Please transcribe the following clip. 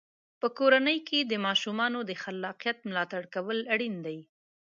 په کورنۍ کې د ماشومانو د خلاقیت ملاتړ کول اړین دی.